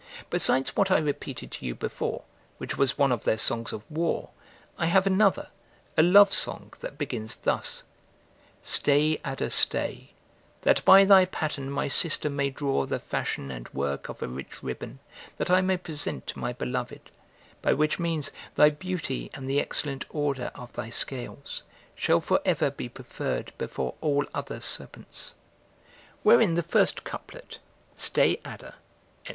Besides what I repeated to you before, which was one of their songs of war, I have another, a love song, that begins thus: "Stay, adder, stay, that by thy pattern my sister may draw the fashion and work of a rich ribbon, that I may present to my beloved, by which means thy beauty and the excellent order of thy scales shall for ever be preferred before all other serpents." Wherein the first couplet, "Stay, adder," &c.